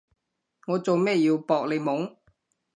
我做咩要搏你懵？